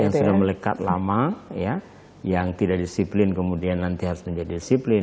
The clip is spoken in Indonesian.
yang sudah melekat lama yang tidak disiplin kemudian nanti harus menjadi disiplin